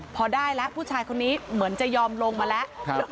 พอได้แล้วผู้ชายคนนี้เหมือนจะยอมลงมาแล้ว